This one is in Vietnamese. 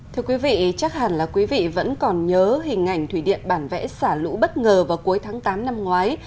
thưa quý vị chắc hẳn là quý vị vẫn còn nhớ hình ảnh thủy điện bản vẽ xả lũ bất ngờ vào cuối tháng tám năm ngoái